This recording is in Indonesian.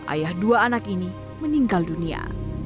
ayah dua anak ini meninggal dunia